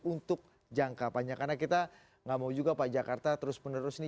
untuk jangka panjang karena kita nggak mau juga pak jakarta terus menerus ini